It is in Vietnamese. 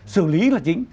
xử lý là chính